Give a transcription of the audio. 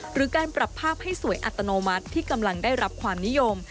หรือการปรับภาพให้สวยอัตโนมัติที่กำลังได้รับความนิยม